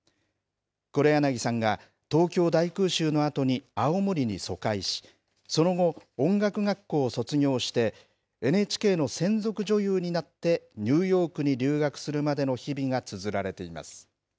黒柳さんが東京大空襲のあとに青森に疎開し、その後、音楽学校を卒業して、ＮＨＫの専属女優になって、ニューヨークに留学するまでの日々がつづられています。